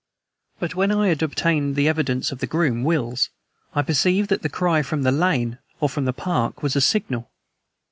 But when I had obtained the evidence of the groom, Wills, I perceived that the cry from the lane or from the park was a signal.